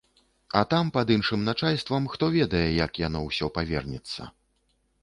А там, пад іншым начальствам, хто ведае, як яно ўсё павернецца.